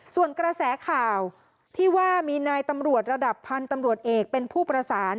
ส่วนกระแสข่าวที่ว่ามีนายตำรวจระดับพันธุ์ตำรวจเอกเป็นผู้ประสาน